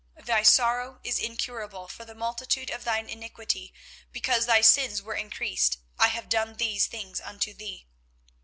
thy sorrow is incurable for the multitude of thine iniquity: because thy sins were increased, I have done these things unto thee.